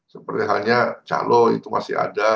seperti halnya calo itu masih ada